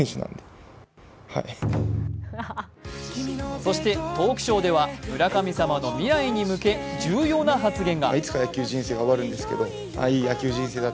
そしてトークショーでは村神様の未来に向け重要な発言が。